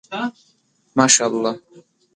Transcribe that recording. ماشاءالله